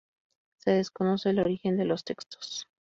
Se desconoce el origen de los textos.